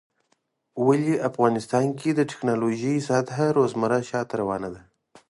ولی افغانستان کې د ټيکنالوژۍ سطحه روزمره شاته روانه ده